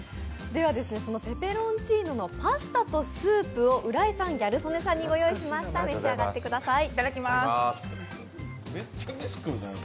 そのペペロンチーノのパスタとスープを浦井さん、ギャル曽根さんにご用意しました、召し上がってください。